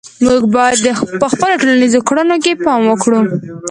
موږ باید په خپلو ټولنیزو کړنو کې پام وکړو.